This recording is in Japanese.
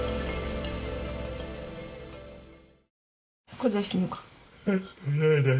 これ出してみようか。